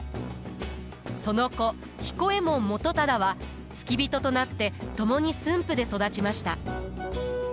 その子彦右衛門元忠は付き人となって共に駿府で育ちました。